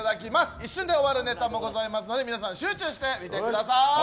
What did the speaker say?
一瞬で終わるネタもございますので皆さん、集中して見てください。